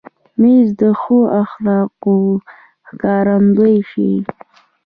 مېز د ښو اخلاقو ښکارندوی شي.